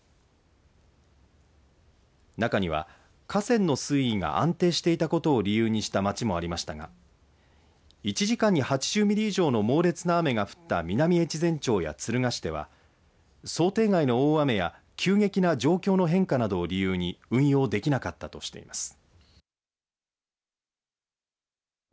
中には河川の水位が安定していたことを理由にした町もありましたが１時間に８０ミリ以上の猛烈な雨が降った南越前町や敦賀市では想定外の大雨や急激な状況の変化などを理由に運用できなかったとしています。